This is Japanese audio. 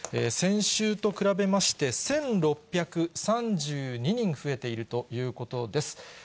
先週と比べまして、１６３２人増えているということです。